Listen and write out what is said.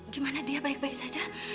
gimana dia baik baik saja